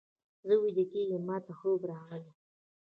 زه ویده کېږم، ماته خوب راغلی.